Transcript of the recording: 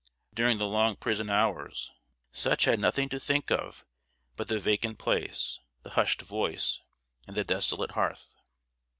During the long prison hours, such had nothing to think of but the vacant place, the hushed voice, and the desolate hearth.